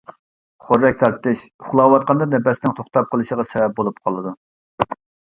خورەك تارتىش، ئۇخلاۋاتقاندا نەپەسنىڭ توختاپ قېلىشىغا سەۋەب بولۇپ قالىدۇ.